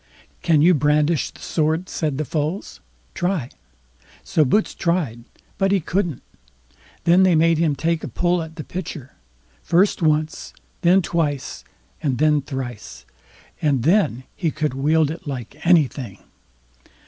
"Can you brandish the sword?" said the Foals; "try." So Boots tried, but he couldn't; then they made him take a pull at the pitcher; first once, then twice, and then thrice, and then he could wield it like anything.